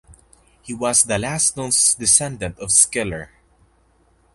He was the last known descendant of Schiller.